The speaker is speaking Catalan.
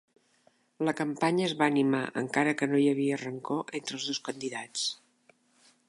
La campanya es va animar encara que no ha havia rancor entre els dos candidats.